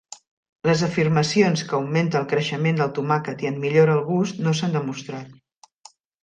Les afirmacions que augmenta el creixement del tomàquet i en millora el gust no s'han demostrat.